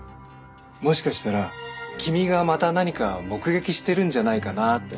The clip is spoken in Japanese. もしかしたら君がまた何か目撃してるんじゃないかなって。